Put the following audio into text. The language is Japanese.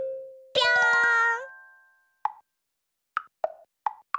ぴょん！